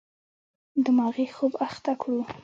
دماغي خوب اخته کړو.